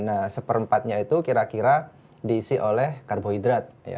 nah seperempatnya itu kira kira diisi oleh karbohidrat